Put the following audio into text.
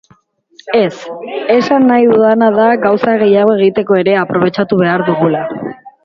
Ez, esan nahi dudana da gauza gehiago egiteko ere aprobetxatu behar dugula.